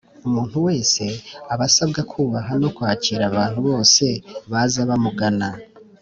Umuntu wese aba asabwa kubaha no kwakira abantu bose baza bamugana